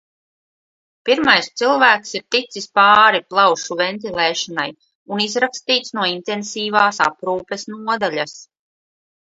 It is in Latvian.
Pirmais cilvēks ir ticis pāri plaušu ventilēšanai un izrakstīts no intensīvās aprūpes nodaļas.